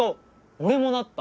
俺もなった。